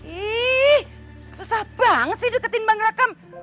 ih susah banget sih deketin bang rakam